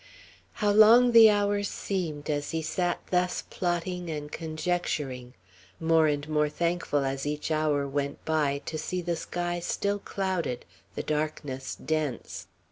How long the hours seemed as he sat thus plotting and conjecturing; more and more thankful, as each hour went by, to see the sky still clouded, the darkness dense.